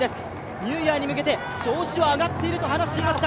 ニューイヤーに向けて調子は上っていると話していました。